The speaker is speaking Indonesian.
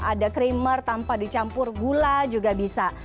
ada krimer tanpa dicampur gula juga bisa